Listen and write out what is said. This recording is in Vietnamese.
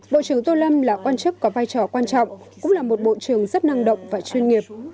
bộ trưởng tô lâm là quan chức có vai trò quan trọng cũng là một bộ trưởng rất năng động và chuyên nghiệp